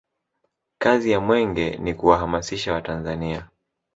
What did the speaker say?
kazi ya mwenge ni kuwahamasisha watanzania